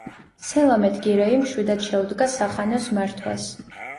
სელამეთ გირეი მშვიდად შეუდგა სახანოს მართვას.